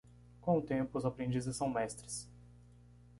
Com o tempo, os aprendizes são mestres.